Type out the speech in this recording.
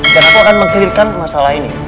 dan aku akan mengklirkan masalah ini